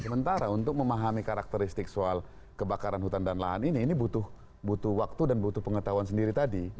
sementara untuk memahami karakteristik soal kebakaran hutan dan lahan ini ini butuh waktu dan butuh pengetahuan sendiri tadi